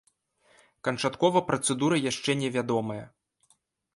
Канчаткова працэдура яшчэ не вядомая.